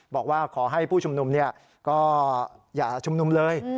บอกว่าขอให้ผู้ชุมนุมก็อย่าชุมนุมเลย